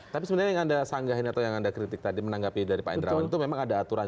tapi sebenarnya yang anda sanggah ini atau yang anda kritik tadi menanggapi dari pak indrawan itu memang ada aturan